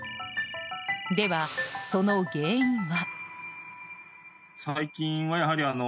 では、その原因は。